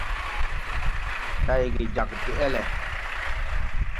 Tayge jag de ele.